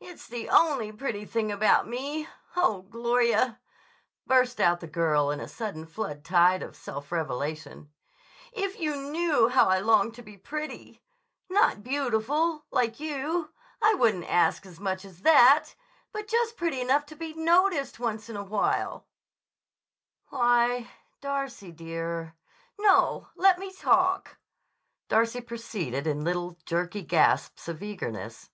"It's the only pretty thing about me. Oh, Gloria," burst out the girl in a sudden flood tide of self revelation, "if you knew how I long to be pretty! Not beautiful, like you; I wouldn't ask as much as that. But just pretty enough to be noticed once in a while." [Illustration: "If you knew how I long to be pretty!"] "Why, Darcy, dear—" "No: let me talk!" Darcy proceeded in little, jerky gasps of eagerness.